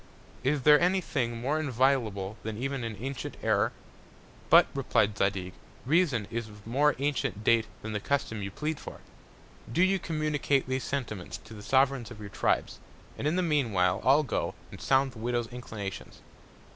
Is there any Thing more inviolable than even an antient Error? But, replied Zadig, Reason is of more antient Date than the Custom you plead for. Do you communicate these Sentiments to the Sovereigns of your Tribes, and in the mean while I'll go, and sound the Widow's Inclinations.